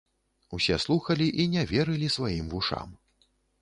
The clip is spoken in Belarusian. Усе слухалі і не верылі сваім вушам.